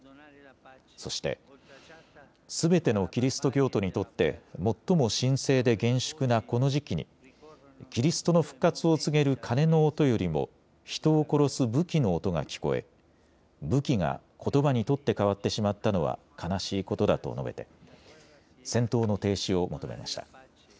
そして、すべてのキリスト教徒にとって最も神聖で厳粛なこの時期に、キリストの復活を告げる鐘の音よりも人を殺す武器の音が聞こえ、武器がことばに取って代わってしまったのは悲しいことだと述べて戦闘の停止を求めました。